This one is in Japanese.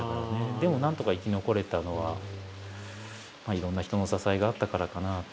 でもなんとか生き残れたのはいろんな人の支えがあったからかなと。